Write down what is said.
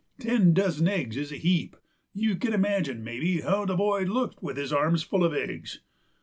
Ten dozen eggs is a heap; you kin imagine, maybe, how that boy looked with his arms full uv eggs!